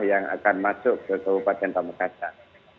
yang akan masuk ke kabupaten pamekasan